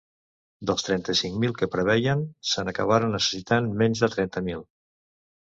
Dels trenta-cinc mil que preveien, se n’acabaran necessitant menys de trenta mil.